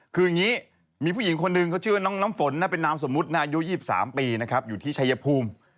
คืออย่างนี้มีผู้หญิงคนหนึ่งเขาชื่อว่าน้องน้ำฝนเป็นนามสมมุติอายุ๒๓ปีนะครับอยู่ที่ชายภูมิ